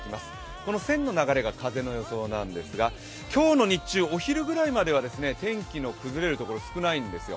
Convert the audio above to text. この線の流れが風の予想なんですが今日の日中、お昼ぐらいは天気の崩れる所、少ないんですよ。